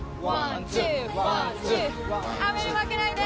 雨に負けないで！